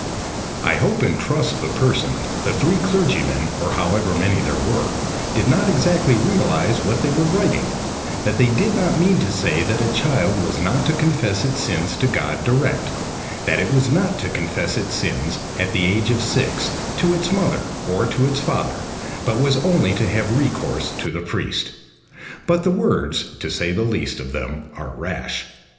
"I hope and trust the person, the three clergymen, or however many there were, did not exactly realise what they were writing; that they did not mean to say that a child was not to confess its sins to God direct; that it was not to confess its sins, at the age of six, to its mother, or to its father, but was only to have recourse to the priest. But the words, to say the least of them, are rash.